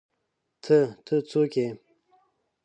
_ته، ته، څوک يې؟